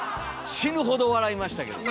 死ぬほど笑いましたけどね。